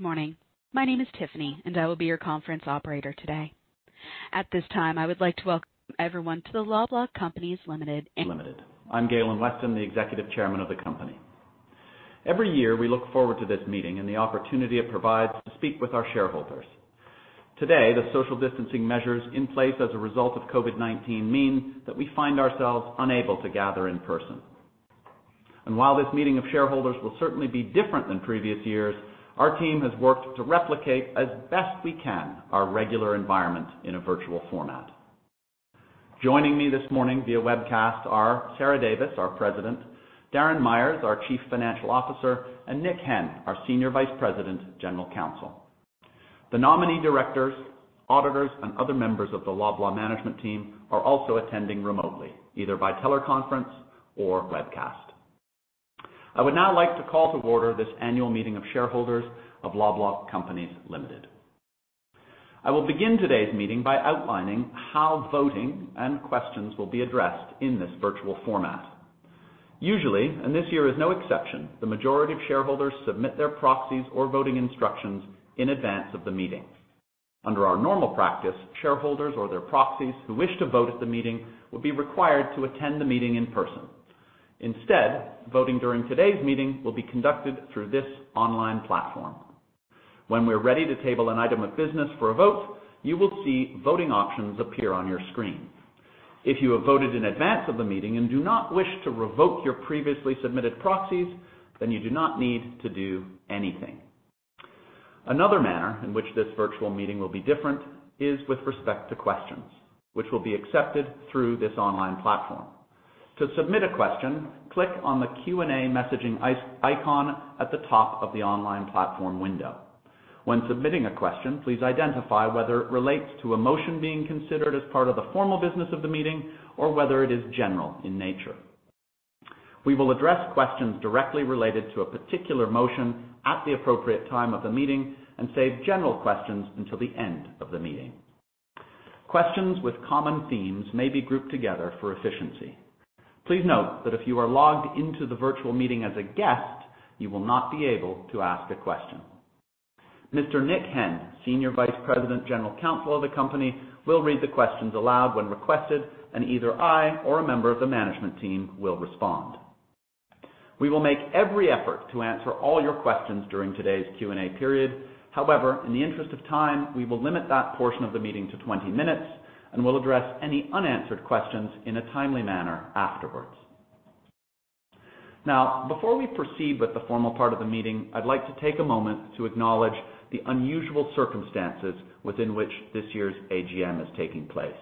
Good morning. My name is Tiffany, and I will be your conference operator today. At this time, I would like to welcome everyone to the Loblaw Companies Limited. Limited. I'm Galen Weston, the Executive Chairman of the company. Every year, we look forward to this meeting and the opportunity it provides to speak with our shareholders. Today, the social distancing measures in place as a result of COVID-19 mean that we find ourselves unable to gather in person, and while this meeting of shareholders will certainly be different than previous years, our team has worked to replicate as best we can our regular environment in a virtual format. Joining me this morning via webcast are Sarah Davis, our President, Darren Myers, our Chief Financial Officer, and Nick Henn, our Senior Vice President, General Counsel. The nominee directors, auditors, and other members of the Loblaw management team are also attending remotely, either by teleconference or webcast. I would now like to call to order this annual meeting of shareholders of Loblaw Companies Limited. I will begin today's meeting by outlining how voting and questions will be addressed in this virtual format. Usually, and this year is no exception, the majority of shareholders submit their proxies or voting instructions in advance of the meeting. Under our normal practice, shareholders or their proxies who wish to vote at the meeting would be required to attend the meeting in person. Instead, voting during today's meeting will be conducted through this online platform. When we're ready to table an item of business for a vote, you will see voting options appear on your screen. If you have voted in advance of the meeting and do not wish to revoke your previously submitted proxies, then you do not need to do anything. Another manner in which this virtual meeting will be different is with respect to questions, which will be accepted through this online platform. To submit a question, click on the Q&A messaging icon at the top of the online platform window. When submitting a question, please identify whether it relates to a motion being considered as part of the formal business of the meeting or whether it is general in nature. We will address questions directly related to a particular motion at the appropriate time of the meeting and save general questions until the end of the meeting. Questions with common themes may be grouped together for efficiency. Please note that if you are logged into the virtual meeting as a guest, you will not be able to ask a question. Mr. Nick Henn, Senior Vice President, General Counsel of the company, will read the questions aloud when requested, and either I or a member of the management team will respond. We will make every effort to answer all your questions during today's Q&A period. However, in the interest of time, we will limit that portion of the meeting to 20 minutes and will address any unanswered questions in a timely manner afterwards. Now, before we proceed with the formal part of the meeting, I'd like to take a moment to acknowledge the unusual circumstances within which this year's AGM is taking place.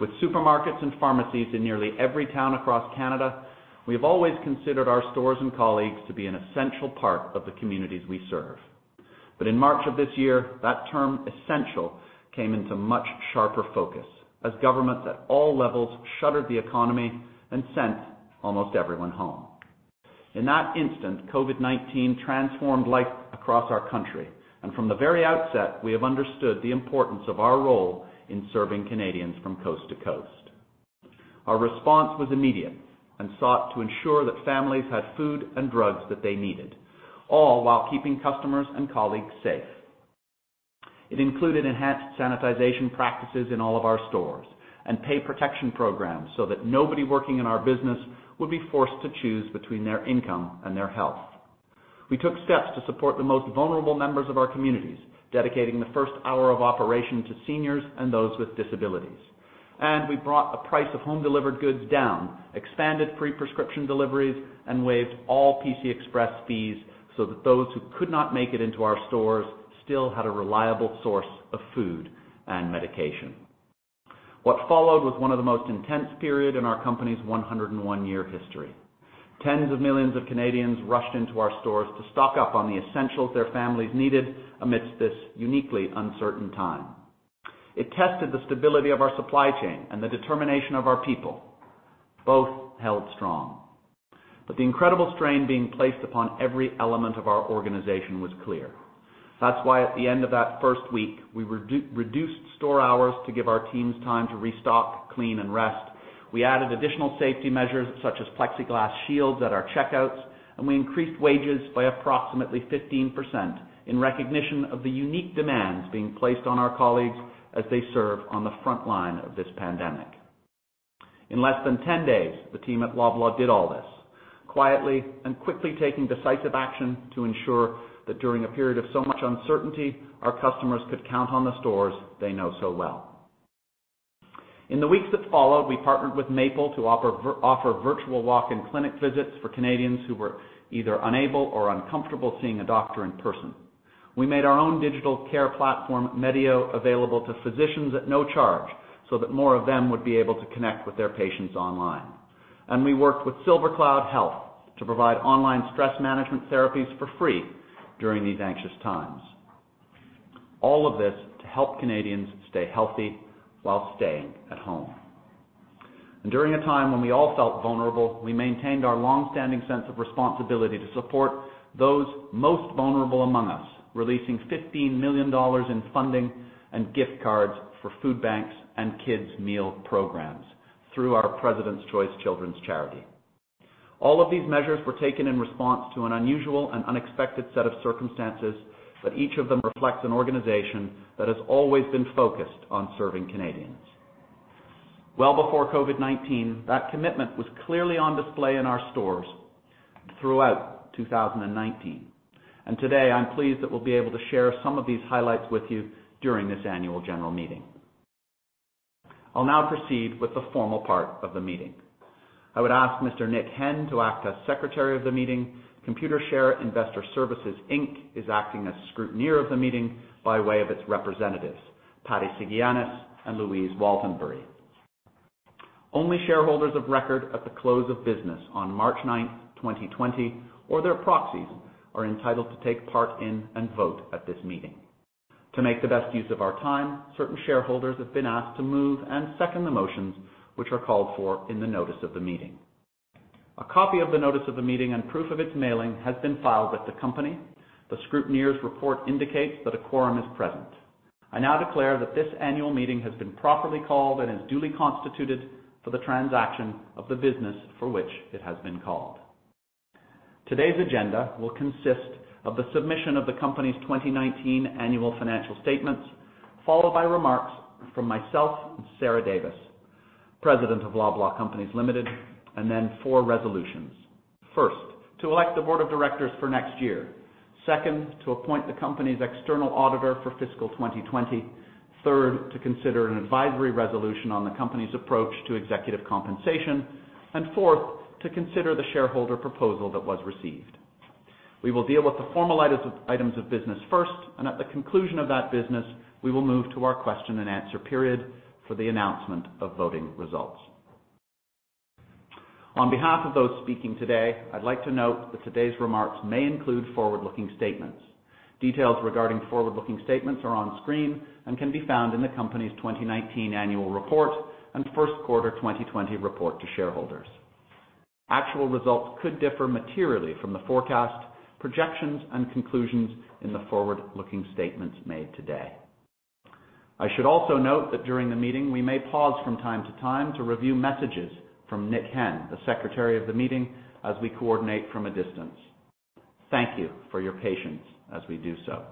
With supermarkets and pharmacies in nearly every town across Canada, we have always considered our stores and colleagues to be an essential part of the communities we serve. But in March of this year, that term "essential" came into much sharper focus as governments at all levels shuttered the economy and sent almost everyone home. In that instant, COVID-19 transformed life across our country, and from the very outset, we have understood the importance of our role in serving Canadians from coast to coast. Our response was immediate and sought to ensure that families had food and drugs that they needed, all while keeping customers and colleagues safe. It included enhanced sanitization practices in all of our stores and pay protection programs so that nobody working in our business would be forced to choose between their income and their health. We took steps to support the most vulnerable members of our communities, dedicating the first hour of operation to seniors and those with disabilities, and we brought the price of home-delivered goods down, expanded prescription deliveries, and waived all PC Express fees so that those who could not make it into our stores still had a reliable source of food and medication. What followed was one of the most intense periods in our company's 101-year history. Tens of millions of Canadians rushed into our stores to stock up on the essentials their families needed amidst this uniquely uncertain time. It tested the stability of our supply chain and the determination of our people. Both held strong. But the incredible strain being placed upon every element of our organization was clear. That's why at the end of that first week, we reduced store hours to give our teams time to restock, clean, and rest. We added additional safety measures such as plexiglass shields at our checkouts, and we increased wages by approximately 15% in recognition of the unique demands being placed on our colleagues as they serve on the front line of this pandemic. In less than 10 days, the team at Loblaw did all this, quietly and quickly taking decisive action to ensure that during a period of so much uncertainty, our customers could count on the stores they know so well. In the weeks that followed, we partnered with Maple to offer virtual walk-in clinic visits for Canadians who were either unable or uncomfortable seeing a doctor in person. We made our own digital care platform, Medeo, available to physicians at no charge so that more of them would be able to connect with their patients online. And we worked with SilverCloud Health to provide online stress management therapies for free during these anxious times. All of this to help Canadians stay healthy while staying at home. and during a time when we all felt vulnerable, we maintained our longstanding sense of responsibility to support those most vulnerable among us, releasing 15 million dollars in funding and gift cards for food banks and kids' meal programs through our President's Choice Children's Charity. All of these measures were taken in response to an unusual and unexpected set of circumstances, but each of them reflects an organization that has always been focused on serving Canadians. Well before COVID-19, that commitment was clearly on display in our stores throughout 2019. And today, I'm pleased that we'll be able to share some of these highlights with you during this annual general meeting. I'll now proceed with the formal part of the meeting. I would ask Mr. Nick Henn to act as secretary of the meeting. Computershare Investor Services Inc. is acting as scrutineer of the meeting by way of its representatives, Patti Siganos and Louise Waltenbury. Only shareholders of record at the close of business on March 9th, 2020, or their proxies are entitled to take part in and vote at this meeting. To make the best use of our time, certain shareholders have been asked to move and second the motions which are called for in the notice of the meeting. A copy of the notice of the meeting and proof of its mailing has been filed with the company. The scrutineer's report indicates that a quorum is present. I now declare that this annual meeting has been properly called and is duly constituted for the transaction of the business for which it has been called. Today's agenda will consist of the submission of the company's 2019 annual financial statements, followed by remarks from myself and Sarah Davis, President of Loblaw Companies Limited, and then four resolutions. First, to elect the board of directors for next year. Second, to appoint the company's external auditor for fiscal 2020. Third, to consider an advisory resolution on the company's approach to executive compensation, and fourth, to consider the shareholder proposal that was received. We will deal with the formal items of business first, and at the conclusion of that business, we will move to our question-and-answer period for the announcement of voting results. On behalf of those speaking today, I'd like to note that today's remarks may include forward-looking statements. Details regarding forward-looking statements are on screen and can be found in the company's 2019 annual report and first quarter 2020 report to shareholders. Actual results could differ materially from the forecast, projections, and conclusions in the forward-looking statements made today. I should also note that during the meeting, we may pause from time to time to review messages from Nick Henn, the secretary of the meeting, as we coordinate from a distance. Thank you for your patience as we do so.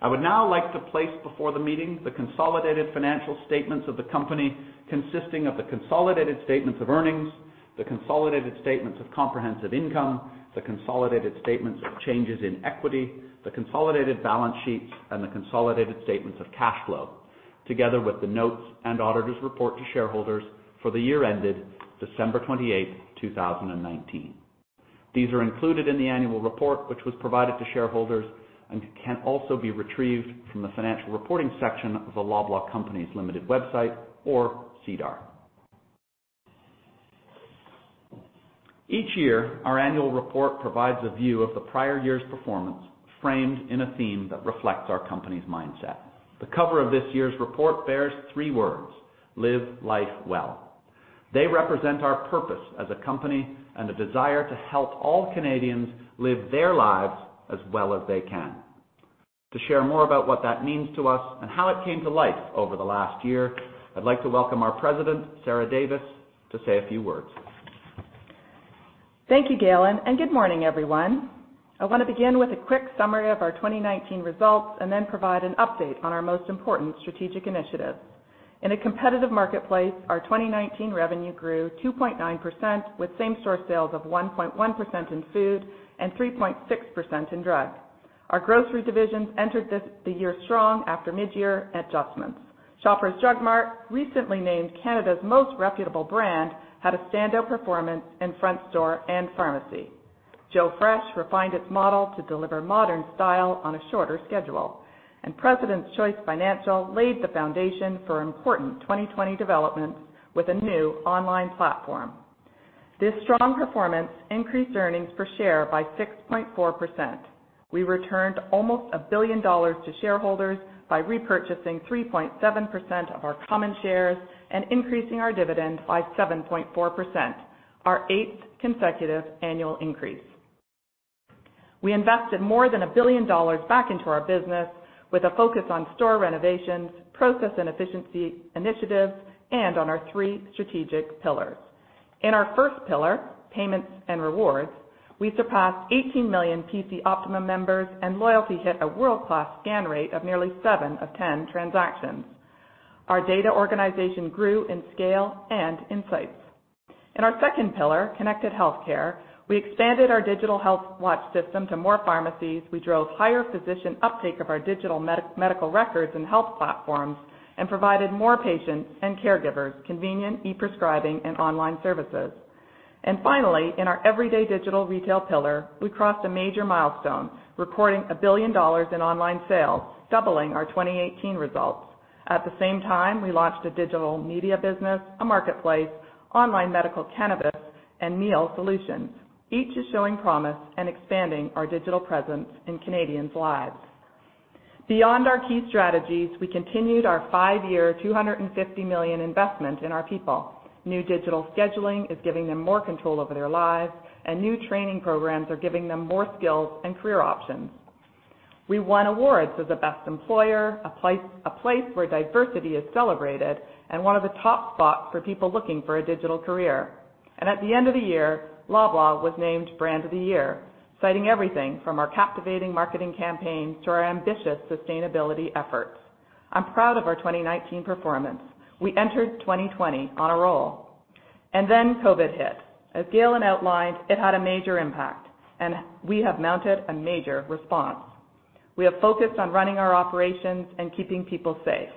I would now like to place before the meeting the consolidated financial statements of the company consisting of the consolidated statements of earnings, the consolidated statements of comprehensive income, the consolidated statements of changes in equity, the consolidated balance sheets, and the consolidated statements of cash flow, together with the notes and auditor's report to shareholders for the year ended December 28th, 2019. These are included in the annual report which was provided to shareholders and can also be retrieved from the financial reporting section of the Loblaw Companies Limited website or SEDAR. Each year, our annual report provides a view of the prior year's performance framed in a theme that reflects our company's mindset. The cover of this year's report bears three words: Live Life Well. They represent our purpose as a company and a desire to help all Canadians live their lives as well as they can. To share more about what that means to us and how it came to life over the last year, I'd like to welcome our President, Sarah Davis, to say a few words. Thank you, Galen. And good morning, everyone. I want to begin with a quick summary of our 2019 results and then provide an update on our most important strategic initiatives. In a competitive marketplace, our 2019 revenue grew 2.9% with same-store sales of 1.1% in food and 3.6% in drugs. Our grocery divisions entered the year strong after mid-year adjustments. Shoppers Drug Mart, recently named Canada's most reputable brand, had a standout performance in front store and pharmacy. Joe Fresh refined its model to deliver modern style on a shorter schedule. And President's Choice Financial laid the foundation for important 2020 developments with a new online platform. This strong performance increased earnings per share by 6.4%. We returned almost 1 billion dollars to shareholders by repurchasing 3.7% of our common shares and increasing our dividend by 7.4%, our eighth consecutive annual increase. We invested more than 1 billion dollars back into our business with a focus on store renovations, process and efficiency initiatives, and on our three strategic pillars. In our first pillar, payments and rewards, we surpassed 18 million PC Optimum members, and loyalty hit a world-class scan rate of nearly seven of 10 transactions. Our data organization grew in scale and insights. In our second pillar, connected healthcare, we expanded our digital HealthWATCH system to more pharmacies. We drove higher physician uptake of our digital medical records and health platforms and provided more patients and caregivers convenient e-prescribing and online services. And finally, in our everyday digital retail pillar, we crossed a major milestone, recording 1 billion dollars in online sales, doubling our 2018 results. At the same time, we launched a digital media business, a marketplace, online medical cannabis, and meal solutions, each showing promise and expanding our digital presence in Canadians' lives. Beyond our key strategies, we continued our five-year 250 million investment in our people. New digital scheduling is giving them more control over their lives, and new training programs are giving them more skills and career options. We won awards as a best employer, a place where diversity is celebrated, and one of the top spots for people looking for a digital career. And at the end of the year, Loblaw was named Brand of the Year, citing everything from our captivating marketing campaigns to our ambitious sustainability efforts. I'm proud of our 2019 performance. We entered 2020 on a roll. And then COVID hit. As Galen outlined, it had a major impact, and we have mounted a major response. We have focused on running our operations and keeping people safe.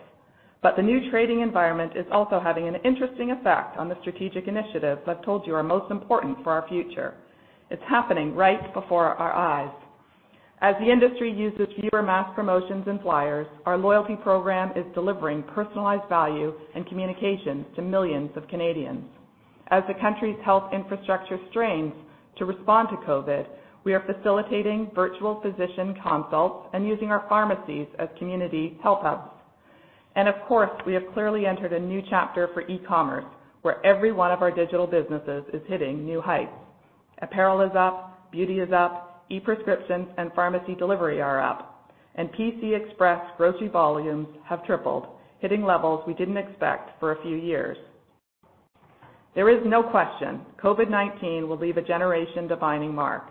But the new trading environment is also having an interesting effect on the strategic initiatives I've told you are most important for our future. It's happening right before our eyes. As the industry uses fewer mass promotions and flyers, our loyalty program is delivering personalized value and communications to millions of Canadians. As the country's health infrastructure strains to respond to COVID, we are facilitating virtual physician consults and using our pharmacies as community health hubs. And of course, we have clearly entered a new chapter for e-commerce where every one of our digital businesses is hitting new heights. Apparel is up, beauty is up, e-prescriptions and pharmacy delivery are up, and PC Express grocery volumes have tripled, hitting levels we didn't expect for a few years. There is no question COVID-19 will leave a generation defining mark.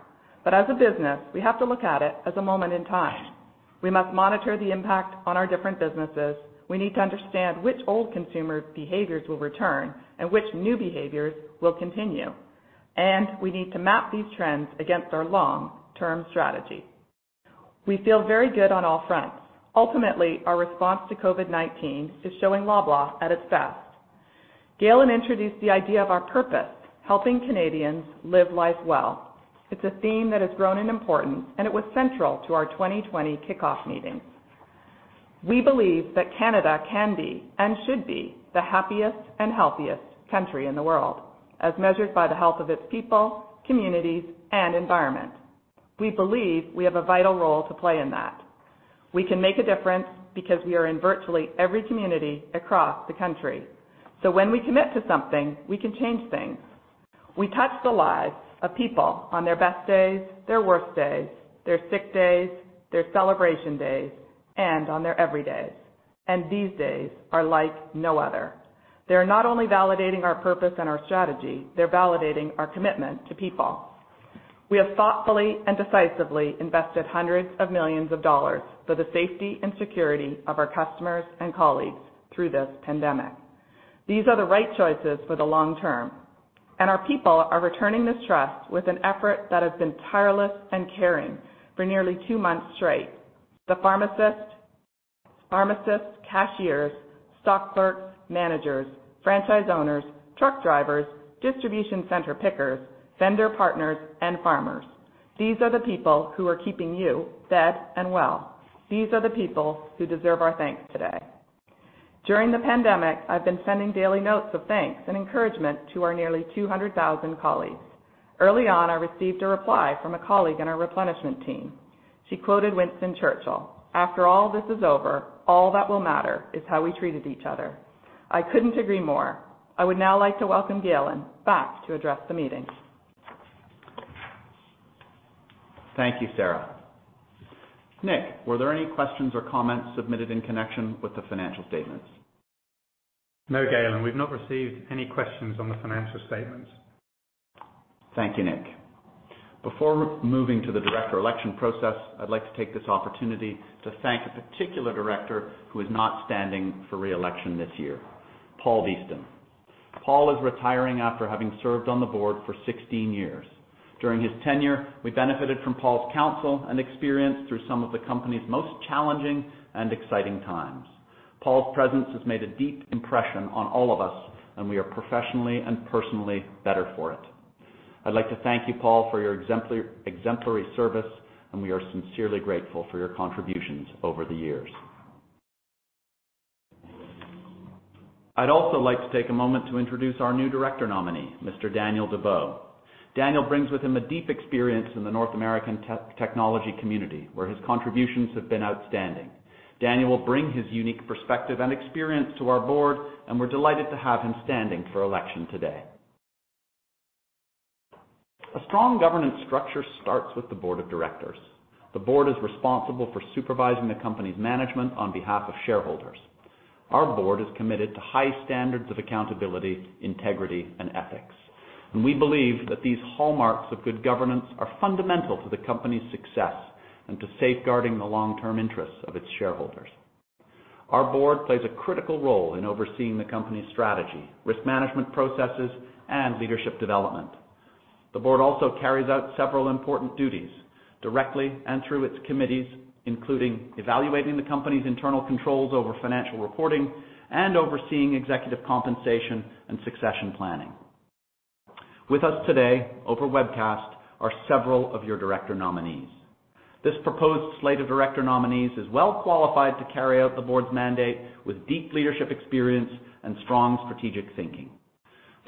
But as a business, we have to look at it as a moment in time. We must monitor the impact on our different businesses. We need to understand which old consumer behaviors will return and which new behaviors will continue. And we need to map these trends against our long-term strategy. We feel very good on all fronts. Ultimately, our response to COVID-19 is showing Loblaw at its best. Galen introduced the idea of our purpose: helping Canadians live life well. It's a theme that has grown in importance, and it was central to our 2020 kickoff meetings. We believe that Canada can be and should be the happiest and healthiest country in the world, as measured by the health of its people, communities, and environment. We believe we have a vital role to play in that. We can make a difference because we are in virtually every community across the country. So when we commit to something, we can change things. We touch the lives of people on their best days, their worst days, their sick days, their celebration days, and on their everydays. And these days are like no other. They are not only validating our purpose and our strategy, they're validating our commitment to people. We have thoughtfully and decisively invested hundreds of millions of CAD for the safety and security of our customers and colleagues through this pandemic. These are the right choices for the long term. And our people are returning this trust with an effort that has been tireless and caring for nearly two months straight. The pharmacists, cashiers, stock clerks, managers, franchise owners, truck drivers, distribution center pickers, vendor partners, and farmers. These are the people who are keeping you fed and well. These are the people who deserve our thanks today. During the pandemic, I've been sending daily notes of thanks and encouragement to our nearly 200,000 colleagues. Early on, I received a reply from a colleague in our replenishment team. She quoted Winston Churchill, "After all this is over, all that will matter is how we treated each other." I couldn't agree more. I would now like to welcome Galen back to address the meeting. Thank you, Sarah. Nick, were there any questions or comments submitted in connection with the financial statements? No, Galen. We've not received any questions on the financial statements. Thank you, Nick. Before moving to the director election process, I'd like to take this opportunity to thank a particular director who is not standing for reelection this year, Paul Beeston. Paul is retiring after having served on the board for 16 years. During his tenure, we benefited from Paul's counsel and experience through some of the company's most challenging and exciting times. Paul's presence has made a deep impression on all of us, and we are professionally and personally better for it. I'd like to thank you, Paul, for your exemplary service, and we are sincerely grateful for your contributions over the years. I'd also like to take a moment to introduce our new director nominee, Mr. Daniel Dufresne. Daniel brings with him a deep experience in the North American technology community, where his contributions have been outstanding. Daniel will bring his unique perspective and experience to our board, and we're delighted to have him standing for election today. A strong governance structure starts with the board of directors. The board is responsible for supervising the company's management on behalf of shareholders. Our board is committed to high standards of accountability, integrity, and ethics, and we believe that these hallmarks of good governance are fundamental to the company's success and to safeguarding the long-term interests of its shareholders. Our board plays a critical role in overseeing the company's strategy, risk management processes, and leadership development. The board also carries out several important duties directly and through its committees, including evaluating the company's internal controls over financial reporting and overseeing executive compensation and succession planning. With us today over webcast are several of your director nominees. This proposed slate of director nominees is well qualified to carry out the board's mandate with deep leadership experience and strong strategic thinking.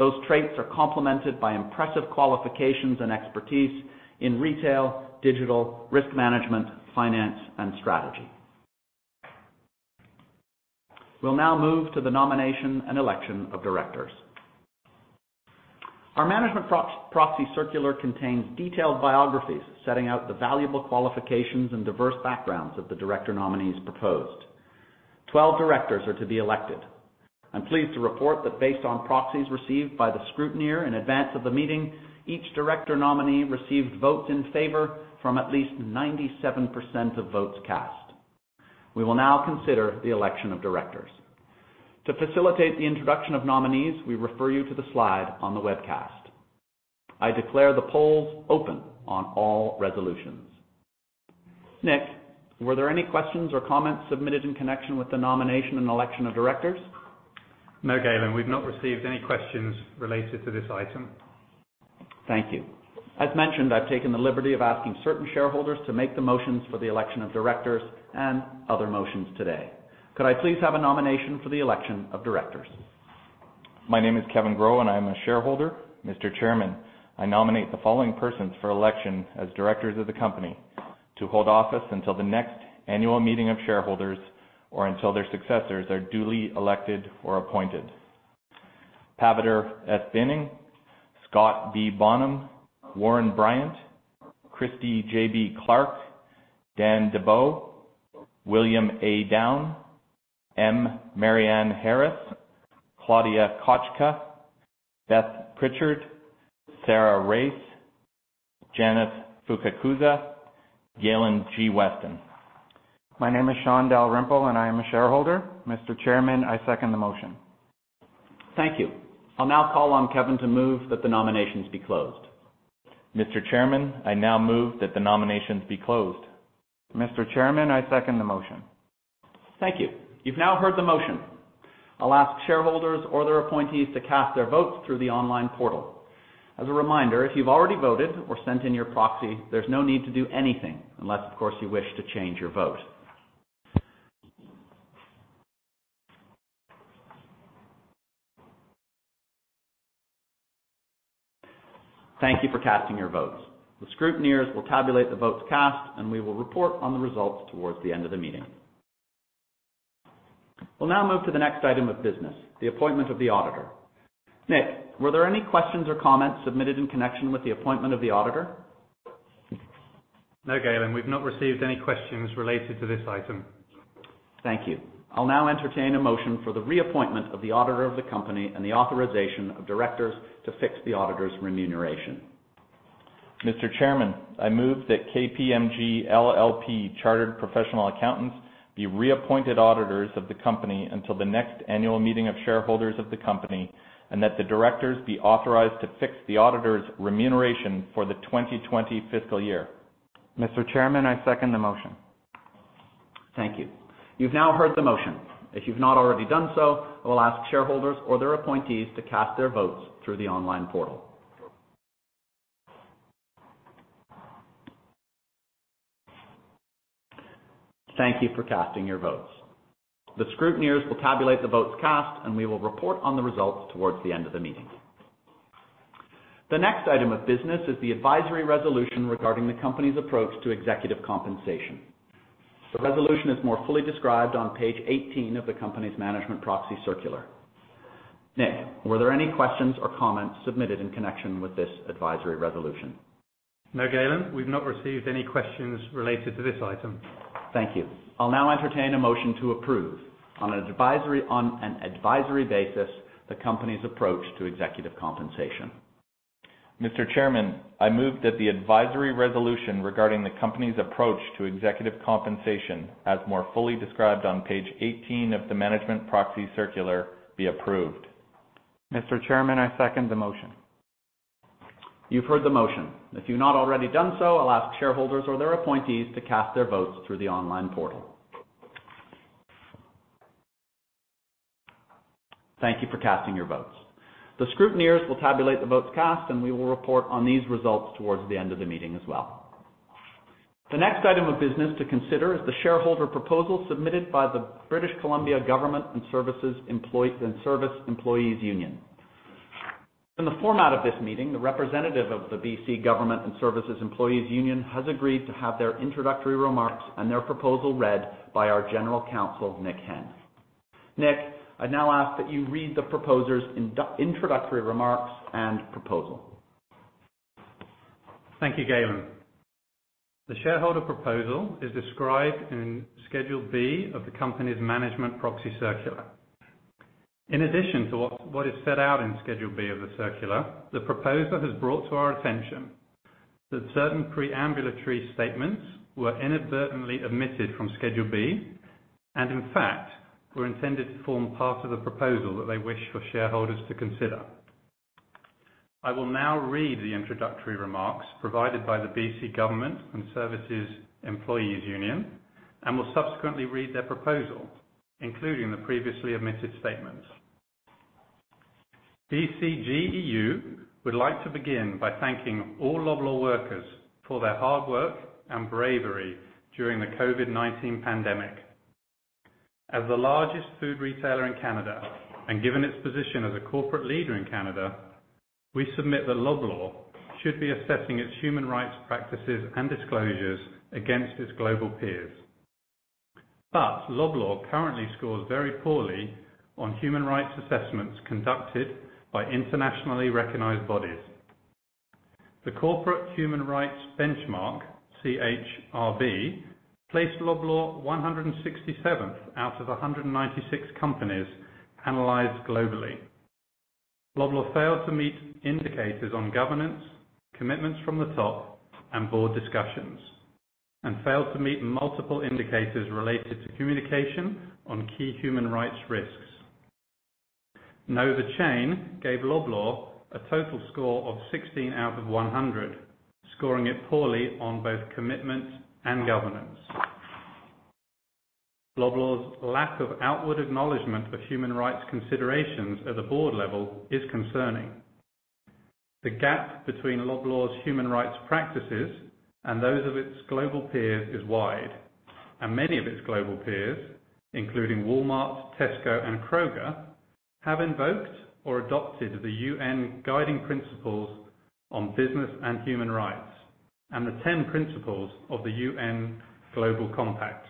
Those traits are complemented by impressive qualifications and expertise in retail, digital, risk management, finance, and strategy. We'll now move to the nomination and election of directors. Our management proxy circular contains detailed biographies setting out the valuable qualifications and diverse backgrounds of the director nominees proposed. 12 directors are to be elected. I'm pleased to report that based on proxies received by the scrutineer in advance of the meeting, each director nominee received votes in favor from at least 97% of votes cast. We will now consider the election of directors. To facilitate the introduction of nominees, we refer you to the slide on the webcast. I declare the polls open on all resolutions. Nick, were there any questions or comments submitted in connection with the nomination and election of directors? No, Galen. We've not received any questions related to this item. Thank you. As mentioned, I've taken the liberty of asking certain shareholders to make the motions for the election of directors and other motions today. Could I please have a nomination for the election of directors? My name is Kevin Groh, and I'm a shareholder. Mr. Chairman, I nominate the following persons for election as directors of the company to hold office until the next annual meeting of shareholders or until their successors are duly elected or appointed: Paviter S. Binning, Scott B. Bonham, Warren Bryant, Christie J.B. Clark, Dan Dufresne, William A. Downe, M. Marianne Harris, Claudia Kotchka, Beth Pritchard, Sarah Raiss, Janice Fukakusa, Galen G. Weston. My name is Sean Dalrymple, and I am a shareholder. Mr. Chairman, I second the motion. Thank you. I'll now call on Kevin to move that the nominations be closed. Mr. Chairman, I now move that the nominations be closed. Mr. Chairman, I second the motion. Thank you. You've now heard the motion. I'll ask shareholders or their appointees to cast their votes through the online portal. As a reminder, if you've already voted or sent in your proxy, there's no need to do anything unless, of course, you wish to change your vote. Thank you for casting your votes. The scrutineers will tabulate the votes cast, and we will report on the results towards the end of the meeting. We'll now move to the next item of business, the appointment of the auditor. Nick, were there any questions or comments submitted in connection with the appointment of the auditor? No, Galen. We've not received any questions related to this item. Thank you. I'll now entertain a motion for the reappointment of the auditor of the company and the authorization of directors to fix the auditor's remuneration. Mr. Chairman, I move that KPMG LLP Chartered Professional Accountants be reappointed auditors of the company until the next annual meeting of shareholders of the company and that the directors be authorized to fix the auditor's remuneration for the 2020 fiscal year. Mr. Chairman, I second the motion. Thank you. You've now heard the motion. If you've not already done so, I will ask shareholders or their appointees to cast their votes through the online portal. Thank you for casting your votes. The scrutineers will tabulate the votes cast, and we will report on the results towards the end of the meeting. The next item of business is the advisory resolution regarding the company's approach to executive compensation. The resolution is more fully described on page 18 of the company's management proxy circular. Nick, were there any questions or comments submitted in connection with this advisory resolution? No, Galen. We've not received any questions related to this item. Thank you. I'll now entertain a motion to approve on an advisory basis the company's approach to executive compensation. Mr. Chairman, I move that the advisory resolution regarding the company's approach to executive compensation, as more fully described on page 18 of the management proxy circular, be approved. Mr. Chairman, I second the motion. You've heard the motion. If you've not already done so, I'll ask shareholders or their appointees to cast their votes through the online portal. Thank you for casting your votes. The scrutineers will tabulate the votes cast, and we will report on these results towards the end of the meeting as well. The next item of business to consider is the shareholder proposal submitted by the British Columbia Government and Service Employees' Union. In the format of this meeting, the representative of the BC Government and Service Employees' Union has agreed to have their introductory remarks and their proposal read by our general counsel, Nick Henn. Nick, I'd now ask that you read the proposer's introductory remarks and proposal. Thank you, Galen. The shareholder proposal is described in Schedule B of the company's management proxy circular. In addition to what is set out in Schedule B of the circular, the proposer has brought to our attention that certain preambulatory statements were inadvertently omitted from Schedule B and, in fact, were intended to form part of the proposal that they wish for shareholders to consider. I will now read the introductory remarks provided by the BC Government and Service Employees' Union and will subsequently read their proposal, including the previously omitted statements. BCGEU would like to begin by thanking all Loblaw workers for their hard work and bravery during the COVID-19 pandemic. As the largest food retailer in Canada and given its position as a corporate leader in Canada, we submit that Loblaw should be assessing its human rights practices and disclosures against its global peers. But Loblaw currently scores very poorly on human rights assessments conducted by internationally recognized bodies. The Corporate Human Rights Benchmark, CHRB, placed Loblaw 167th out of 196 companies analyzed globally. Loblaw failed to meet indicators on governance, commitments from the top, and board discussions, and failed to meet multiple indicators related to communication on key human rights risks. KnowTheChain gave Loblaw a total score of 16 out of 100, scoring it poorly on both commitments and governance. Loblaw's lack of outward acknowledgment of human rights considerations at the board level is concerning. The gap between Loblaw's human rights practices and those of its global peers is wide, and many of its global peers, including Walmart, Tesco, and Kroger, have invoked or adopted the UN Guiding Principles on Business and Human Rights and the 10 Principles of the UN Global Compact.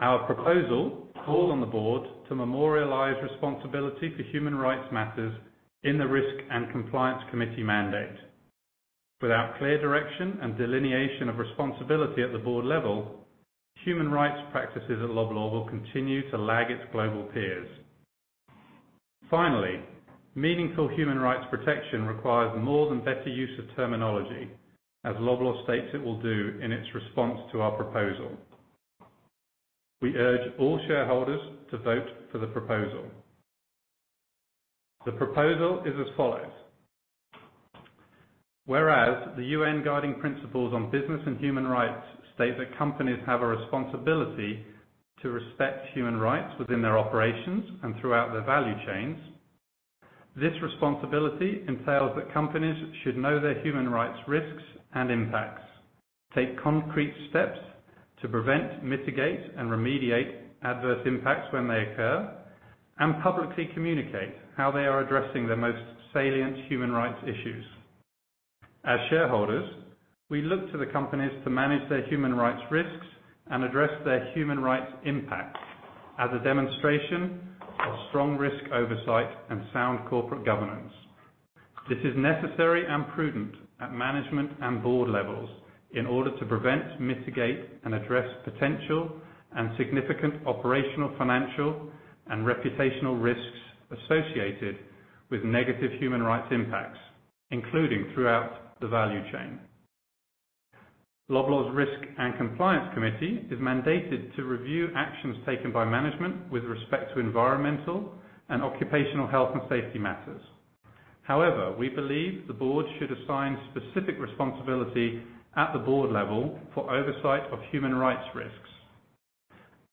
Our proposal calls on the board to memorialize responsibility for human rights matters in the Risk and Compliance Committee mandate. Without clear direction and delineation of responsibility at the board level, human rights practices at Loblaw will continue to lag its global peers. Finally, meaningful human rights protection requires more than better use of terminology, as Loblaw states it will do in its response to our proposal. We urge all shareholders to vote for the proposal. The proposal is as follows: Whereas the UN Guiding Principles on Business and Human Rights state that companies have a responsibility to respect human rights within their operations and throughout their value chains, this responsibility entails that companies should know their human rights risks and impacts, take concrete steps to prevent, mitigate, and remediate adverse impacts when they occur, and publicly communicate how they are addressing their most salient human rights issues. As shareholders, we look to the companies to manage their human rights risks and address their human rights impacts as a demonstration of strong risk oversight and sound corporate governance. This is necessary and prudent at management and board levels in order to prevent, mitigate, and address potential and significant operational, financial, and reputational risks associated with negative human rights impacts, including throughout the value chain. Loblaw's Risk and Compliance Committee is mandated to review actions taken by management with respect to environmental and occupational health and safety matters. However, we believe the board should assign specific responsibility at the board level for oversight of human rights risks.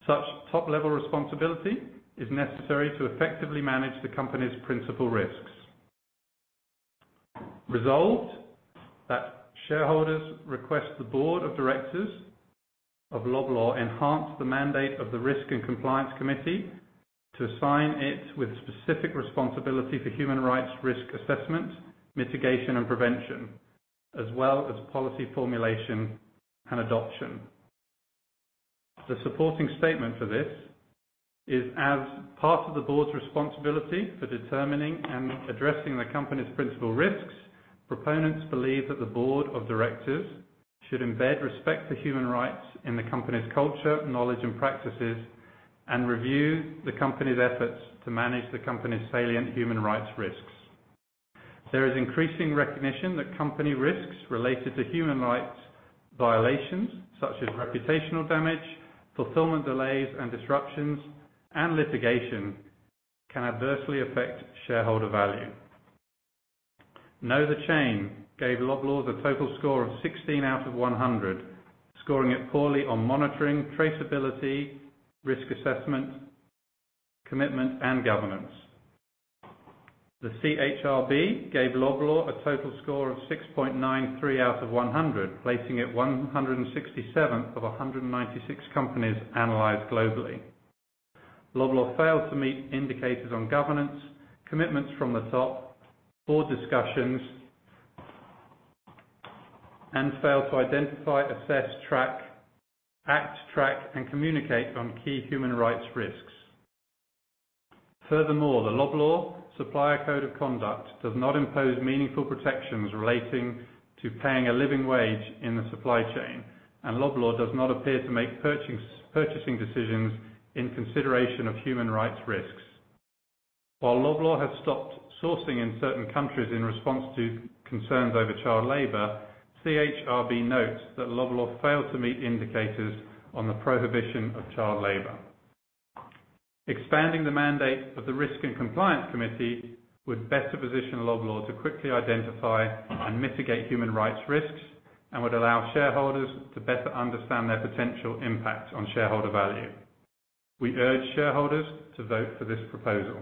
Such top-level responsibility is necessary to effectively manage the company's principal risks. Resolved that shareholders request the board of directors of Loblaw enhance the mandate of the Risk and Compliance Committee to assign it with specific responsibility for human rights risk assessment, mitigation, and prevention, as well as policy formulation and adoption. The supporting statement for this is, as part of the board's responsibility for determining and addressing the company's principal risks, proponents believe that the board of directors should embed respect for human rights in the company's culture, knowledge, and practices, and review the company's efforts to manage the company's salient human rights risks. There is increasing recognition that company risks related to human rights violations, such as reputational damage, fulfillment delays and disruptions, and litigation, can adversely affect shareholder value. No, KnowTheChain gave Loblaw the total score of 16 out of 100, scoring it poorly on monitoring, traceability, risk assessment, commitment, and governance. The CHRB gave Loblaw a total score of 6.93 out of 100, placing it 167th of 196 companies analyzed globally. Loblaw failed to meet indicators on governance, commitments from the top, board discussions, and failed to identify, assess, track, act, track, and communicate on key human rights risks. Furthermore, the Loblaw Supplier Code of Conduct does not impose meaningful protections relating to paying a living wage in the supply chain, and Loblaw does not appear to make purchasing decisions in consideration of human rights risks. While Loblaw has stopped sourcing in certain countries in response to concerns over child labor, CHRB notes that Loblaw failed to meet indicators on the prohibition of child labor. Expanding the mandate of the Risk and Compliance Committee would better position Loblaw to quickly identify and mitigate human rights risks and would allow shareholders to better understand their potential impact on shareholder value. We urge shareholders to vote for this proposal.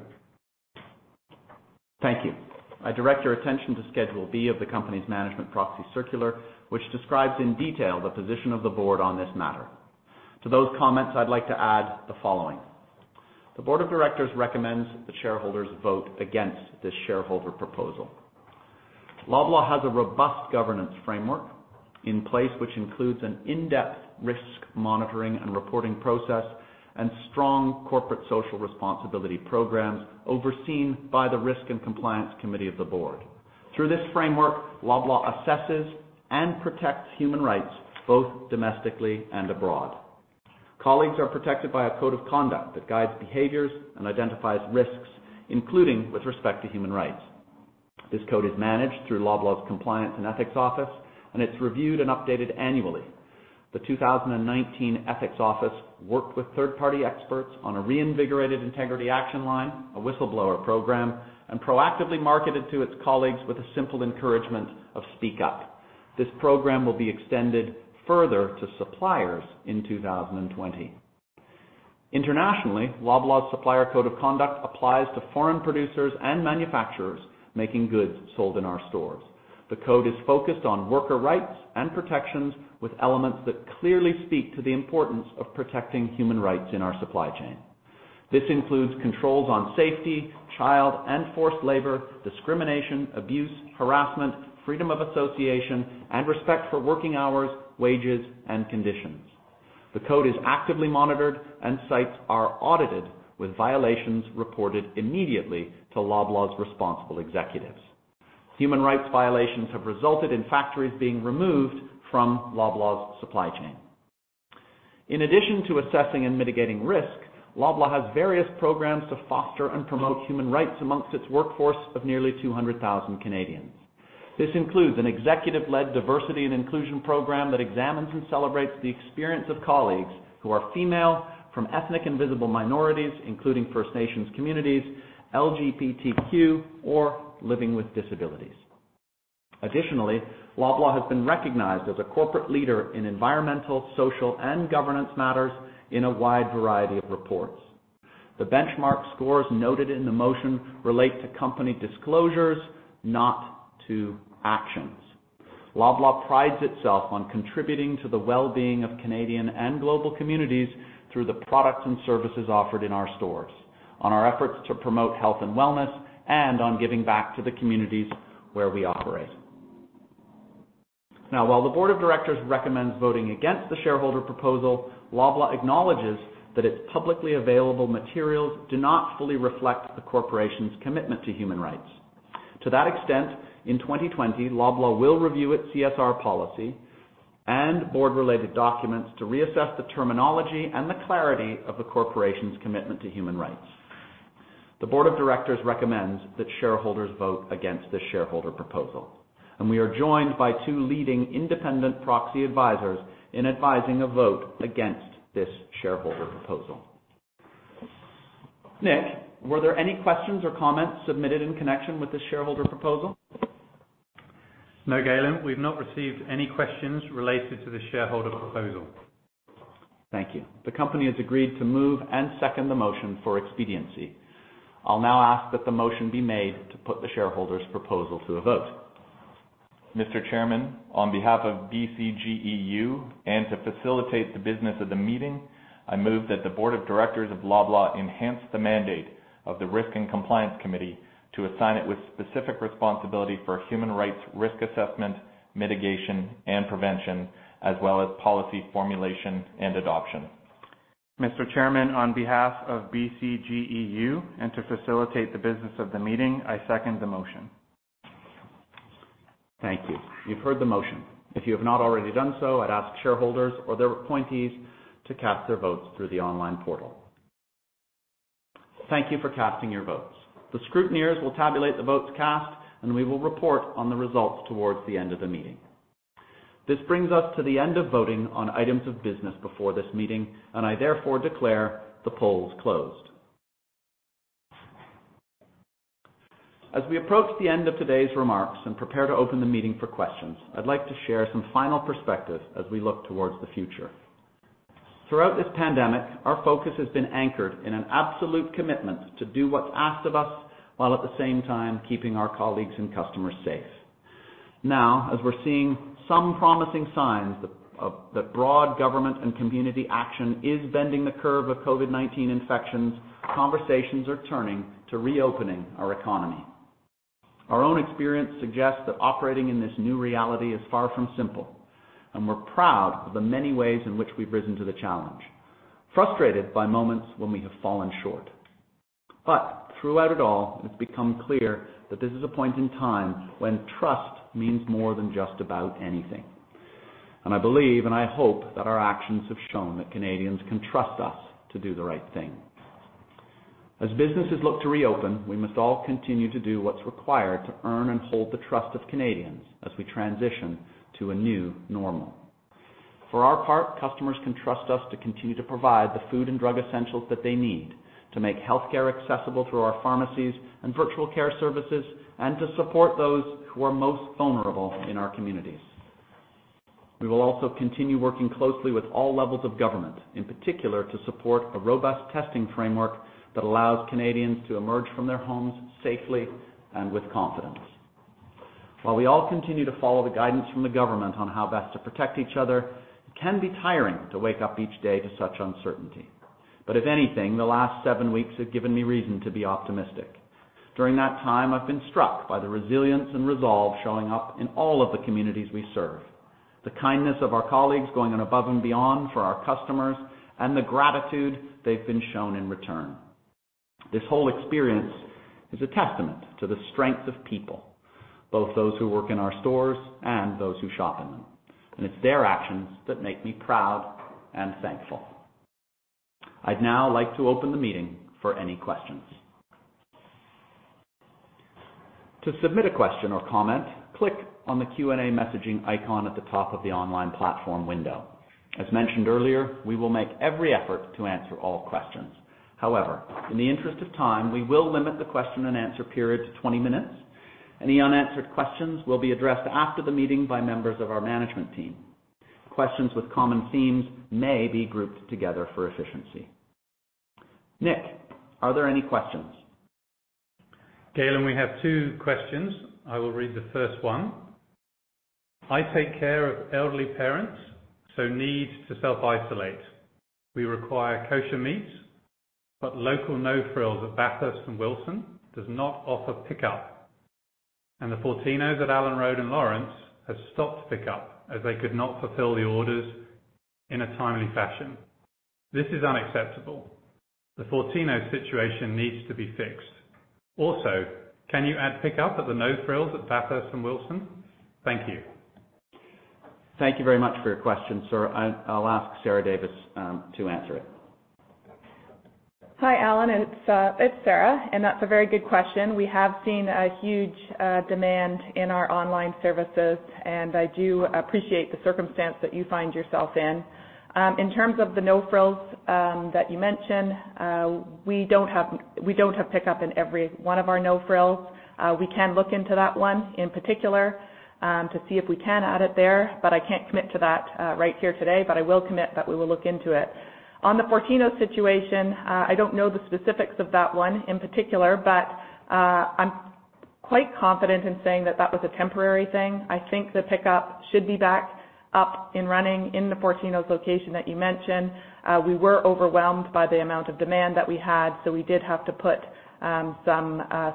Thank you. I direct your attention to schedule B of the company's management proxy circular, which describes in detail the position of the board on this matter. To those comments, I'd like to add the following: The board of directors recommends that shareholders vote against this shareholder proposal. Loblaw has a robust governance framework in place, which includes an in-depth risk monitoring and reporting process and strong corporate social responsibility programs overseen by the Risk and Compliance Committee of the board. Through this framework, Loblaw assesses and protects human rights both domestically and abroad. Colleagues are protected by a code of conduct that guides behaviors and identifies risks, including with respect to human rights. This code is managed through Loblaw's Compliance and Ethics Office, and it's reviewed and updated annually. The 2019 Ethics Office worked with third-party experts on a reinvigorated Integrity Action Line, a whistleblower program, and proactively marketed to its colleagues with a simple encouragement of "Speak up." This program will be extended further to suppliers in 2020. Internationally, Loblaw's Supplier Code of Conduct applies to foreign producers and manufacturers making goods sold in our stores. The code is focused on worker rights and protections with elements that clearly speak to the importance of protecting human rights in our supply chain. This includes controls on safety, child and forced labor, discrimination, abuse, harassment, freedom of association, and respect for working hours, wages, and conditions. The code is actively monitored and sites are audited with violations reported immediately to Loblaw's responsible executives. Human rights violations have resulted in factories being removed from Loblaw's supply chain. In addition to assessing and mitigating risk, Loblaw has various programs to foster and promote human rights among its workforce of nearly 200,000 Canadians. This includes an executive-led diversity and inclusion program that examines and celebrates the experience of colleagues who are female, from ethnic and visible minorities, including First Nations communities, LGBTQ, or living with disabilities. Additionally, Loblaw has been recognized as a corporate leader in environmental, social, and governance matters in a wide variety of reports. The benchmark scores noted in the motion relate to company disclosures, not to actions. Loblaw prides itself on contributing to the well-being of Canadian and global communities through the products and services offered in our stores, on our efforts to promote health and wellness, and on giving back to the communities where we operate. Now, while the board of directors recommends voting against the shareholder proposal, Loblaw acknowledges that its publicly available materials do not fully reflect the corporation's commitment to human rights. To that extent, in 2020, Loblaw will review its CSR policy and board-related documents to reassess the terminology and the clarity of the corporation's commitment to human rights. The board of directors recommends that shareholders vote against this shareholder proposal, and we are joined by two leading independent proxy advisors in advising a vote against this shareholder proposal. Nick, were there any questions or comments submitted in connection with this shareholder proposal? No, Galen. We've not received any questions related to the shareholder proposal. Thank you. The company has agreed to move and second the motion for expediency. I'll now ask that the motion be made to put the shareholders' proposal to a vote. Mr. Chairman, on behalf of BCGEU and to facilitate the business of the meeting, I move that the board of directors of Loblaw enhance the mandate of the Risk and Compliance Committee to assign it with specific responsibility for human rights risk assessment, mitigation, and prevention, as well as policy formulation and adoption. Mr. Chairman, on behalf of BCGEU and to facilitate the business of the meeting, I second the motion. Thank you. You've heard the motion. If you have not already done so, I'd ask shareholders or their appointees to cast their votes through the online portal. Thank you for casting your votes. The scrutineers will tabulate the votes cast, and we will report on the results towards the end of the meeting. This brings us to the end of voting on items of business before this meeting, and I therefore declare the polls closed. As we approach the end of today's remarks and prepare to open the meeting for questions, I'd like to share some final perspectives as we look towards the future. Throughout this pandemic, our focus has been anchored in an absolute commitment to do what's asked of us while at the same time keeping our colleagues and customers safe. Now, as we're seeing some promising signs that broad government and community action is bending the curve of COVID-19 infections, conversations are turning to reopening our economy. Our own experience suggests that operating in this new reality is far from simple, and we're proud of the many ways in which we've risen to the challenge, frustrated by moments when we have fallen short. But throughout it all, it's become clear that this is a point in time when trust means more than just about anything. And I believe, and I hope that our actions have shown that Canadians can trust us to do the right thing. As businesses look to reopen, we must all continue to do what's required to earn and hold the trust of Canadians as we transition to a new normal. For our part, customers can trust us to continue to provide the food and drug essentials that they need, to make healthcare accessible through our pharmacies and virtual care services, and to support those who are most vulnerable in our communities. We will also continue working closely with all levels of government, in particular to support a robust testing framework that allows Canadians to emerge from their homes safely and with confidence. While we all continue to follow the guidance from the government on how best to protect each other, it can be tiring to wake up each day to such uncertainty. But if anything, the last seven weeks have given me reason to be optimistic. During that time, I've been struck by the resilience and resolve showing up in all of the communities we serve, the kindness of our colleagues going above and beyond for our customers, and the gratitude they've been shown in return. This whole experience is a testament to the strength of people, both those who work in our stores and those who shop in them. And it's their actions that make me proud and thankful. I'd now like to open the meeting for any questions. To submit a question or comment, click on the Q&A messaging icon at the top of the online platform window. As mentioned earlier, we will make every effort to answer all questions. However, in the interest of time, we will limit the question and answer period to 20 minutes. Any unanswered questions will be addressed after the meeting by members of our management team. Questions with common themes may be grouped together for efficiency. Nick, are there any questions? Galen, we have two questions. I will read the first one. I take care of elderly parents, so need to self-isolate. We require kosher meats, but local No Frills at Bathurst and Wilson does not offer pickup. And the Fortinos at Allen Road and Lawrence has stopped pickup as they could not fulfill the orders in a timely fashion. This is unacceptable. The Fortinos situation needs to be fixed. Also, can you add pickup at the No Frills at Bathurst and Wilson? Thank you. Thank you very much for your question, sir. I'll ask Sarah Davis to answer it. Hi, Alan. It's Sarah, and that's a very good question. We have seen a huge demand in our online services, and I do appreciate the circumstance that you find yourself in. In terms of the No Frills that you mentioned, we don't have pickup in every one of our No Frills. We can look into that one in particular to see if we can add it there, but I can't commit to that right here today. But I will commit that we will look into it. On the Fortinos situation, I don't know the specifics of that one in particular, but I'm quite confident in saying that that was a temporary thing. I think the pickup should be back up and running in the Fortinos location that you mentioned. We were overwhelmed by the amount of demand that we had, so we did have to put some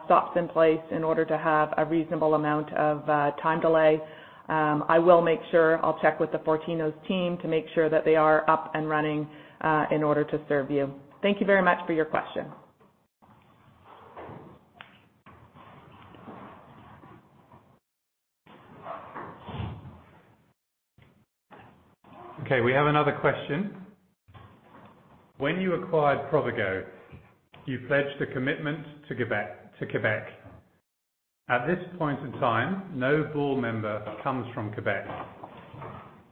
stops in place in order to have a reasonable amount of time delay. I will make sure I'll check with the Fortinos team to make sure that they are up and running in order to serve you. Thank you very much for your question. Okay. We have another question. When you acquired Provigo, you pledged a commitment to Quebec. At this point in time, no board member comes from Quebec.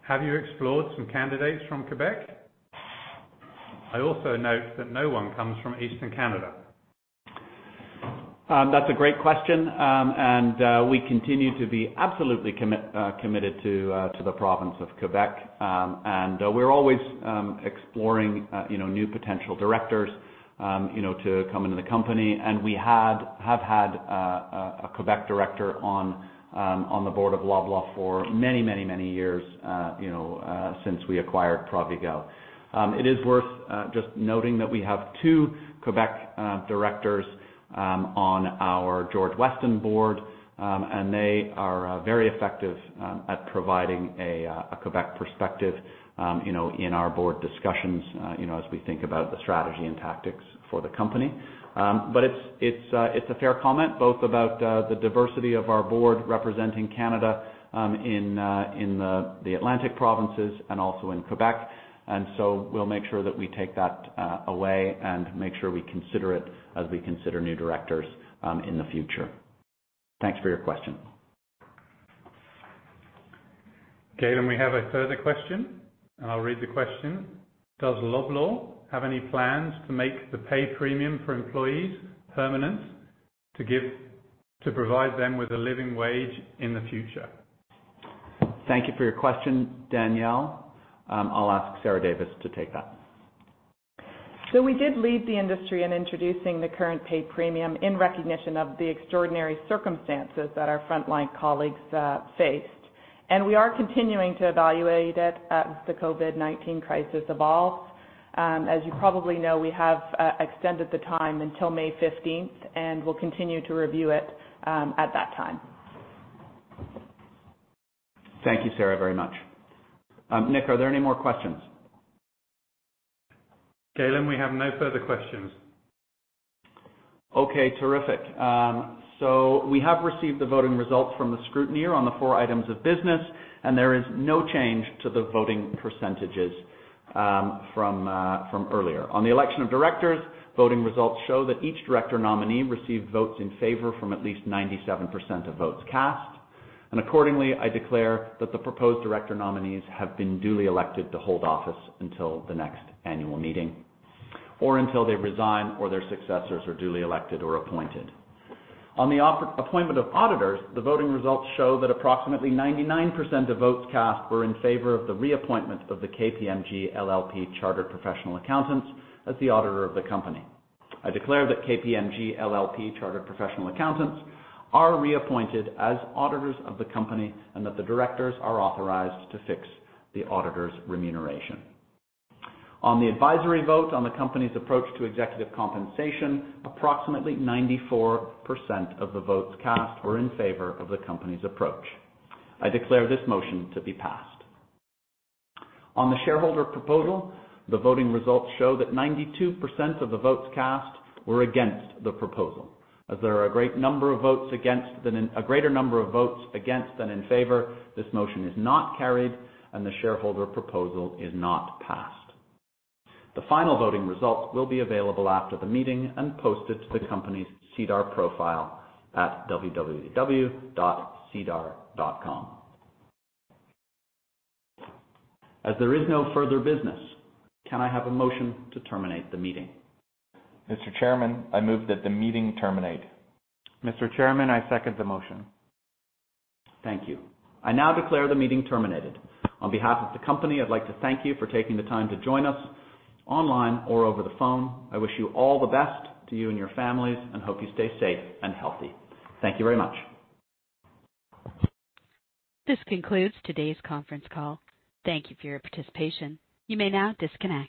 Have you explored some candidates from Quebec? I also note that no one comes from Eastern Canada. That's a great question, and we continue to be absolutely committed to the province of Quebec. And we're always exploring new potential directors to come into the company. And we have had a Quebec director on the board of Loblaw for many, many, many years since we acquired Provigo. It is worth just noting that we have two Quebec directors on our George Weston board, and they are very effective at providing a Quebec perspective in our board discussions as we think about the strategy and tactics for the company. But it's a fair comment, both about the diversity of our board representing Canada in the Atlantic provinces and also in Quebec. And so we'll make sure that we take that away and make sure we consider it as we consider new directors in the future. Thanks for your question. Galen, we have a further question, and I'll read the question. Does Loblaw have any plans to make the pay premium for employees permanent to provide them with a living wage in the future? Thank you for your question, Danielle. I'll ask Sarah Davis to take that. So we did lead the industry in introducing the current pay premium in recognition of the extraordinary circumstances that our frontline colleagues faced. And we are continuing to evaluate it as the COVID-19 crisis evolves. As you probably know, we have extended the time until May 15th, and we'll continue to review it at that time. Thank you, Sarah, very much. Nick, are there any more questions? Galen, we have no further questions. Okay. Terrific. We have received the voting results from the scrutineer on the four items of business, and there is no change to the voting percentages from earlier. On the election of directors, voting results show that each director nominee received votes in favor from at least 97% of votes cast. Accordingly, I declare that the proposed director nominees have been duly elected to hold office until the next annual meeting or until they resign or their successors are duly elected or appointed. On the appointment of auditors, the voting results show that approximately 99% of votes cast were in favor of the reappointment of the KPMG LLP Chartered Professional Accountants as the auditor of the company. I declare that KPMG LLP Chartered Professional Accountants are reappointed as auditors of the company and that the directors are authorized to fix the auditor's remuneration. On the advisory vote on the company's approach to executive compensation, approximately 94% of the votes cast were in favor of the company's approach. I declare this motion to be passed. On the shareholder proposal, the voting results show that 92% of the votes cast were against the proposal. As there are a greater number of votes against than in favor, this motion is not carried, and the shareholder proposal is not passed. The final voting results will be available after the meeting and posted to the company's SEDAR profile at www.sedar.com. As there is no further business, can I have a motion to terminate the meeting? Mr. Chairman, I move that the meeting terminate. Mr. Chairman, I second the motion. Thank you. I now declare the meeting terminated. On behalf of the company, I'd like to thank you for taking the time to join us online or over the phone. I wish you all the best to you and your families and hope you stay safe and healthy. Thank you very much. This concludes today's conference call. Thank you for your participation. You may now disconnect.